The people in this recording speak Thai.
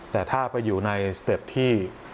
แต่ถ้าไปอยู่ในสเต็ปที่